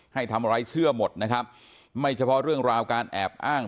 ให้ทำอะไรเชื่อหมดนะครับไม่เฉพาะเรื่องราวการแอบอ้าง